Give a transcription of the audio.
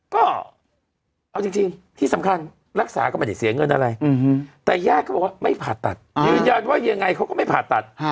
ก็เอาจริงที่สำคัญรักษาก็ไม่ได้เสียเงินอะไรแต่ญาติก็บอกว่าไม่ผ่าตัดยืนยันว่ายังไงเขาก็ไม่ผ่าตัด